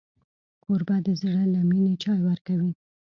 کوربه د زړه له مینې چای ورکوي.